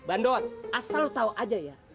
bandot asal lo tau aja ya